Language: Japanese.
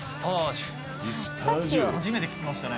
初めて聞きましたね。